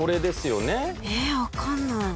え分かんない。